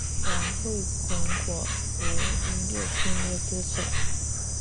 王汇筑果核音乐签约歌手。